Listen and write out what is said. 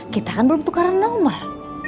kita kan belum tukaran nomor